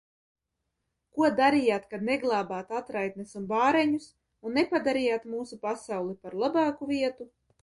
Ko darījāt, kad neglābāt atraitnes un bāreņus, un nepadarījāt mūsu pasauli par labāku vietu?